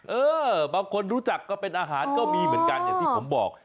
เออบางคนรู้จักก็เป็นอาหารก็มีเหมือนกันอย่างที่ผมบอก